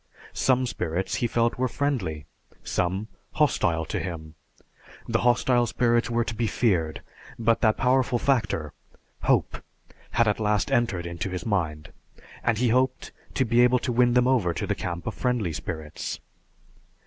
Some spirits, he felt, were friendly; some, hostile to him. The hostile spirits were to be feared; but that powerful factor, "hope," had at last entered into his mind, and he hoped to be able to win them over to the camp of friendly spirits.